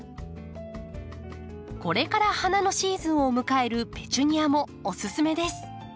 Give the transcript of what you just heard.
これから花のシーズンを迎えるペチュニアもおススメです。